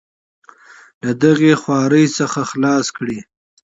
له دغې خوارۍ څخه خلاص کړي.